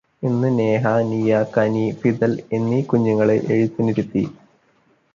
ഇന്ന് നേഹ, നിയ, കനി, ഫിദൽ എന്നീ കുഞ്ഞുങ്ങളെ എഴുത്തിനിരുത്തി.